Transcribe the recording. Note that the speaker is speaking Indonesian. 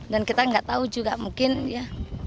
dan kita enggak tahu juga mungkin ya